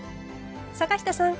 坂下さん